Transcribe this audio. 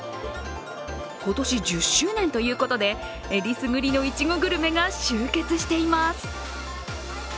今年１０周年ということでえりすぐりのいちごグルメが集結しています！